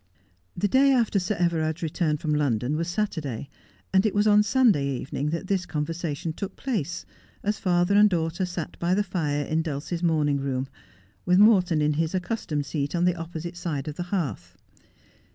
The day after Sir Everard's return from London was Saturday, and it was on Sunday evening that this conversation took place, as father and daughter sat by the fire in Dulcie's morning room, with Morton in his accustomed seat on the oppo site side of the hearth.